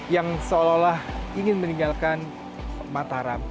yang seolah olah ingin meninggalkan mataram